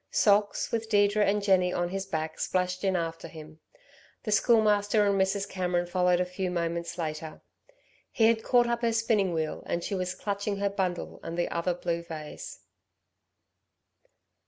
Socks, with Deirdre and Jenny on his back, splashed in after him. The Schoolmaster and Mrs. Cameron followed a few moments later. He had caught up her spinning wheel and she was clutching her bundle and the other blue vase.